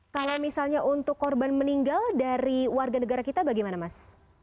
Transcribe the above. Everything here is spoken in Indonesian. kalau misalnya untuk korban meninggal dari warga negara kita bagaimana mas